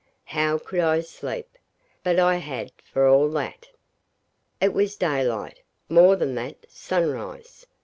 How could I sleep? but I had, for all that. It was daylight; more than that sunrise.